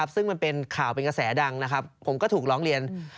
ซึ่งมันเป็นข่าวเป็นกระแสดังนะครับผมก็ถูกร้องเรียน